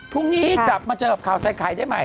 พรุ่งนี้กลับมาเจอกับข่าวใส่ไข่ได้ใหม่